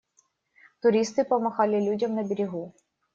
Туристы помахали людям на берегу.